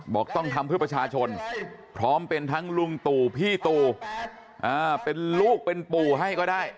บอกต้องทำเพื่อประชาชนพร้อมเป็นทั้งลุงตู่พี่ตูเป็นลูกเป็นปู่ให้ก็ได้